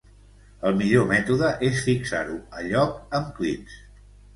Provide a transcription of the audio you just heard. El millor mètode és fixar-ho a lloc amb clips.